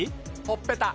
ほっぺた。